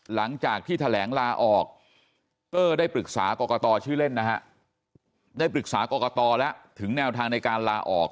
หลังจากที่แถลงลาออกเตอร์ได้ปรึกษากรกตชื่อเล่นนะฮะได้ปรึกษากรกตแล้วถึงแนวทางในการลาออก